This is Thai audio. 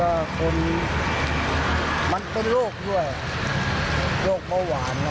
โอ้มีไก่มีก็มันเป็นโรคด้วยโรคเบาหวานอ่ะอ๋อ